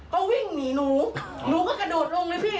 ก็วิ่งหนีหนูหนูก็กระโดดลงเลยพี่